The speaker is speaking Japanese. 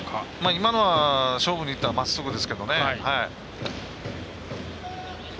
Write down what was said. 今のは勝負にいったまっすぐですけどね。